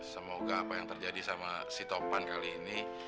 semoga apa yang terjadi sama si topan kali ini